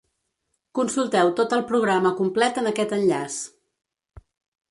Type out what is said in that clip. Consulteu tot el programa complet en aquest enllaç.